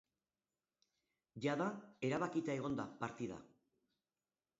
Jada erabakita egon da partida.